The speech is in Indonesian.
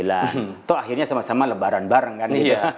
atau akhirnya sama sama lebaran bareng kan